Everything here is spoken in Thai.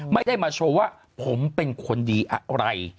ไม่ได้มาโชว์ว่าผมเป็นคนดีอะไร